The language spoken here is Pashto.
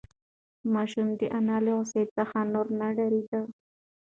ماشوم د انا له غوسې څخه نور نه ډارېده.